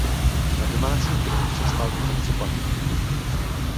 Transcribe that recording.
Na domácím trhu se stal dokonce platinovým.